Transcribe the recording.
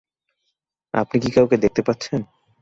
আপনি কি কাউকে দেখতে পাচ্ছেন?